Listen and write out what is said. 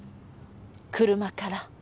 車から。